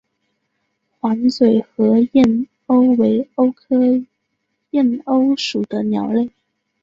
黄嘴河燕鸥为鸥科燕鸥属的鸟类。